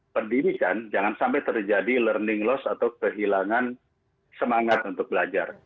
pendidikan jangan sampai terjadi learning loss atau kehilangan semangat untuk belajar